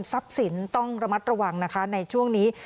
ทรัพย์สินต้องระมัดระวังนะคะในช่วงนี้